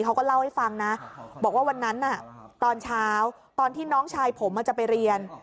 เขาก็เล่าให้ฟังนะบอกว่าวันนั้นตอนเช้าตอนที่น้องชายผมจะไปเรียน